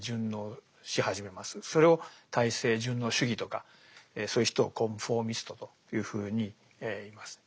それを体制順応主義とかそういう人をコンフォーミストというふうにいいます。